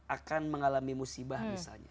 akan mengalami musibah misalnya